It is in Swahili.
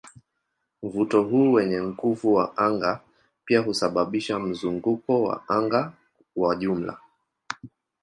Mvuto huu wenye nguvu wa anga pia husababisha mzunguko wa anga wa jumla.